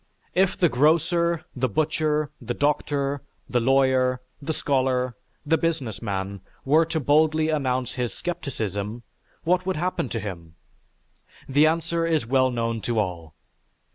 If the grocer, the butcher, the doctor, the lawyer, the scholar, the business man, were to boldly announce his scepticism, what would happen to him? The answer is well known to all.